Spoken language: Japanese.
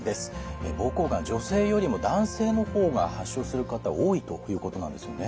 膀胱がん女性よりも男性の方が発症する方多いということなんですよね。